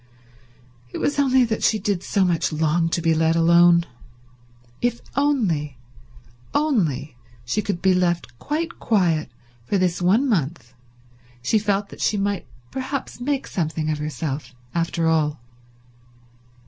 It was only that she did so much long to be let alone. If only, only she could be left quite quiet for this one month, she felt that she might perhaps make something of herself after all.